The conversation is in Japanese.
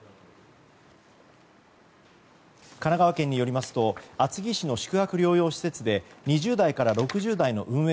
神奈川県によりますと厚木市の宿泊療養施設で２０代から６０代の運営